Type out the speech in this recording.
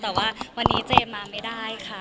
แต่ว่าวันนี้เจมส์มาไม่ได้ค่ะ